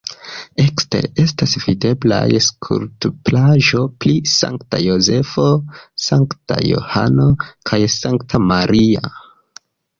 Ekstere estas videblaj skulptaĵoj pri Sankta Jozefo, Sankta Johano kaj Sankta Maria.